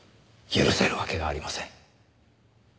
許せるわけがありません。